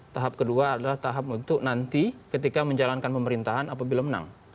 tahap kedua adalah tahap untuk nanti ketika menjalankan pemerintahan apabila menang